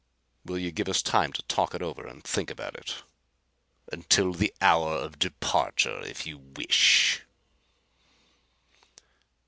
"Will you give us time to talk it over and think about it?" "Until the hour of departure, if you wish."